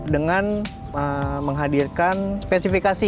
dengan menghadirkan spesifikasi